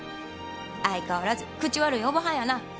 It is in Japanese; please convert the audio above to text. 相変わらず口悪いおばはんやな。